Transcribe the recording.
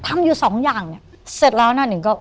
ทำอยู่สองอย่างเนี่ยเสร็จแล้วนะหนึ่งก็